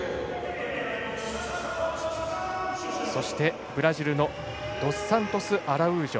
そして、ブラジルのドスサントスアラウージョ。